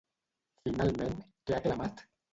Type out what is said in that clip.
Finalment, què ha aclamat?